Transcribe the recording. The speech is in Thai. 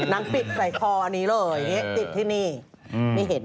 นางปิดใส่คออันนี้เลยอย่างนี้ติดที่นี่ไม่เห็น